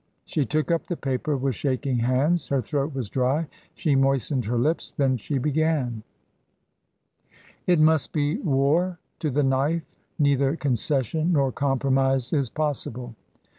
She took up the paper with shaking hands. Her throat was dry, she moistened her lips. Then she began :"* It must be war to the knife, neither concession nor compromise is possible.